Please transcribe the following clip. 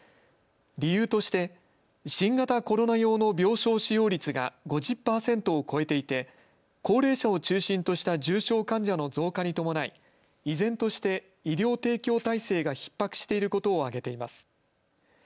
理由として新型コロナ用の病床使用率が５０％を超えていて高齢者を中心とした重症患者の増加に伴い依然として医療提供体制がひっ迫していることを挙げています。